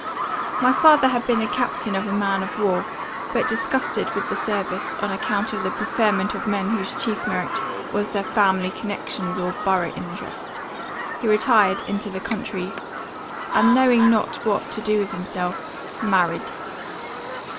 "My father had been a captain of a man of war; but, disgusted with the service, on account of the preferment of men whose chief merit was their family connections or borough interest, he retired into the country; and, not knowing what to do with himself married.